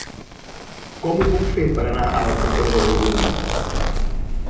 Com ho puc fer per anar al carrer del Brosolí?